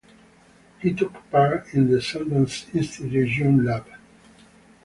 He took part in the Sundance Institute's June Lab.